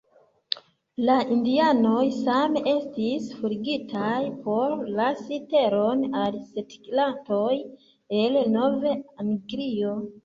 La indianoj same estis forigitaj por lasi teron al setlantoj el Nov-Anglio.